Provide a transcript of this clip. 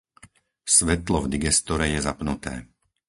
Svetlo v digestore je zapnuté.